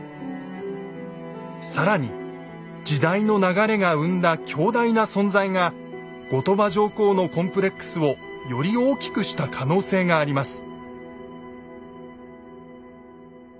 更に時代の流れが生んだ「強大な存在」が後鳥羽上皇のコンプレックスをより大きくした可能性があります。